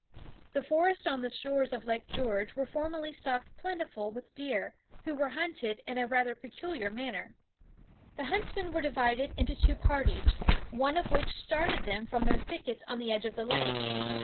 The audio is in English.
The forests on the shores of Lake George were formerly stocked plentifully with deer, who were hunted in rather a peculiar manner. The huntsmen were divided into two parties, one of which started them from their thickets on the edge of the lake.